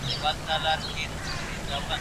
د يوه سود د بل زيان.